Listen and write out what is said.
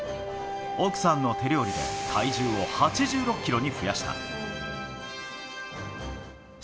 奥さんの手料理で体重を８６キロに増やした。